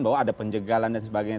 bahwa ada penjagalan dan sebagainya